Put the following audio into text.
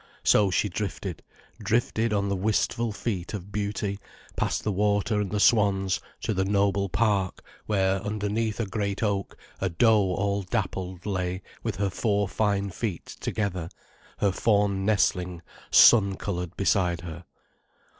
So she drifted, drifted on the wistful feet of beauty, past the water and the swans, to the noble park, where, underneath a great oak, a doe all dappled lay with her four fine feet together, her fawn nestling sun coloured beside her.